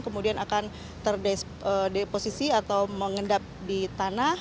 kemudian akan terdeposisi atau mengendap di tanah